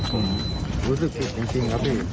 ผมรู้สึกผิดจริงครับพี่